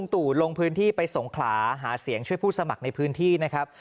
ตู่ลงพื้นที่ไปสงขลาหาเสียงช่วยผู้สมัครในพื้นที่นะครับ